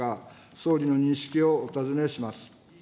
総理の認識をお尋ねします。